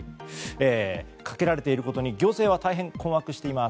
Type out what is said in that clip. かけられていることに行政は大変困惑しています。